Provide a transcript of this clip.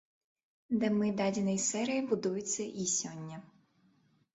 Дамы дадзенай серыі будуюцца і сёння.